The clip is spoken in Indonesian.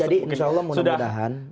jadi insya allah mudah mudahan